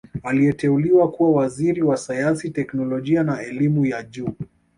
Aliteuliwa kuwa Waziri wa Sayansi Teknolojia na Elimu ya Juu